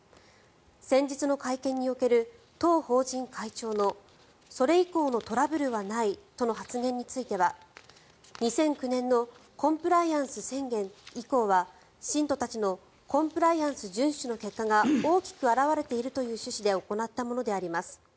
先日の会見における当法人会長のそれ以降のトラブルはないとの発言については２００９年のコンプライアンス宣言以降は信徒たちのコンプライアンス順守の結果が大きく表れているという趣旨で行ったものであります。